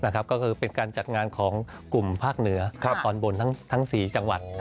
ก็คือเป็นการจัดงานของกลุ่มภาคเหนือตอนบนทั้ง๔จังหวัด